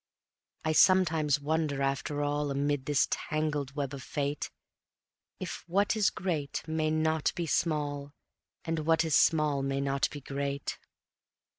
I sometimes wonder, after all, Amid this tangled web of fate, If what is great may not be small, And what is small may not be great.